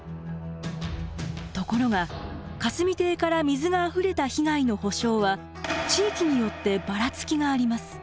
ところが霞堤から水があふれた被害の補償は地域によってばらつきがあります。